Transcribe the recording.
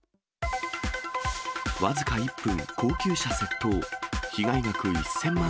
わずか１分、高級車窃盗。